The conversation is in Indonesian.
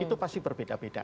itu pasti berbeda beda